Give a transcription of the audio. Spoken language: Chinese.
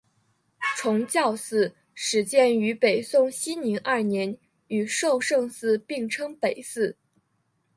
崇教寺始建于北宋熙宁二年与寿圣寺并称北寺。